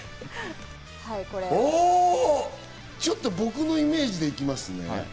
ちょっと僕のイメージで行きますね。